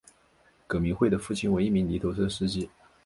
葛民辉的父亲为一名泥头车司机。